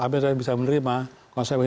amerika raya bisa menerima konsep